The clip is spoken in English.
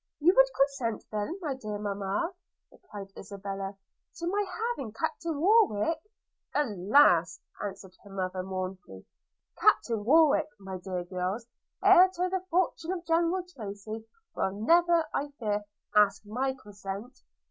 'You would consent then, my dear mamma,' replied Isabella, 'to my having Captain Warwick?' 'Alas!' answered her mother mournfully, 'Captain Warwick, my dear girls, heir to the fortune of General Tracy, will never, I fear, ask my consent.